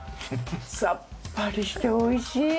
さっぱりしておいしい。